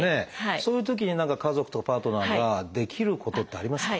そういうときに家族とかパートナーができることってありますか？